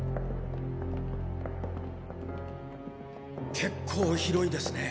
結構広いですね。